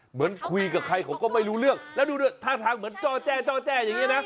เหมือนกับคุยกับใครเขาก็ไม่รู้เรื่องแล้วดูด้วยท่าทางเหมือนจ้อแจ้จ้อแจ้อย่างนี้นะ